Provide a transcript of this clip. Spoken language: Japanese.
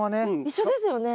一緒ですよね？